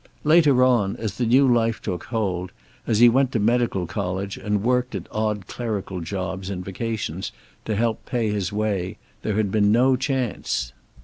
Later on, as the new life took hold, as he went to medical college and worked at odd clerical jobs in vacations to help pay his way, there had been no chance.